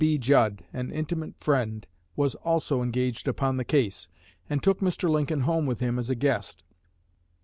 B. Judd, an intimate friend, was also engaged upon the case, and took Mr. Lincoln home with him as a guest.